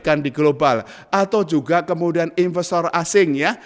di global atau juga kemudian investor asing ya